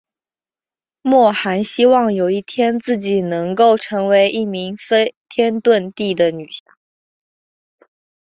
莫涵希望有一天自己能够成为一名飞天遁地的女侠。